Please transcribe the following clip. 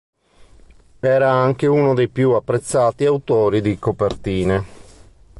Era anche uno dei più apprezzati autori di copertine.